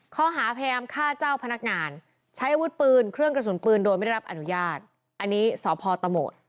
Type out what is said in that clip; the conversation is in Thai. ข้อหาพยายามฆ่าเจ้าพนักงานใช้อาวุธปืนเครื่องกระสุนปืนโดยไม่ได้รับอนุญาตอันนี้สพตโหมด